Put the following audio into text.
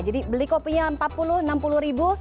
jadi beli kopinya empat puluh enam puluh ribu